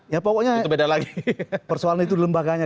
ya pokoknya persoalan itu lembaganya